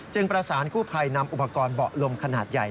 ประสานกู้ภัยนำอุปกรณ์เบาะลมขนาดใหญ่